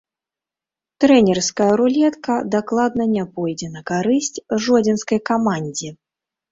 Трэнерская рулетка дакладна не пойдзе на карысць жодзінскай камандзе.